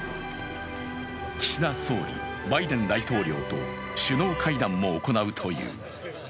岸田総理、バイデン大統領と首脳会談も行うという。